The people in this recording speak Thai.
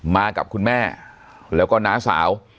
มากับคุณแม่แล้วก็น้าสาว